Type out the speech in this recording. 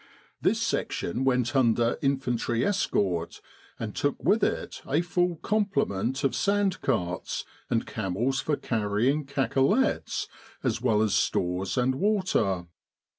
This section went under infantry escort and took with it a full complement of sand carts, and camels for carrying cacolets as well as stores and water.